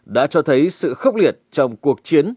đã cho thấy sự khốc liệt trong cuộc chiến